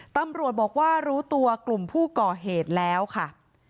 ตำรวจบอกว่ารู้ตัวกลุ่มผู้ก่อเหตุแล้วค่ะ